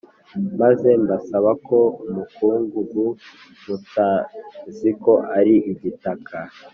Maze mbasaba ko umukungugu mutaziko ari igitaka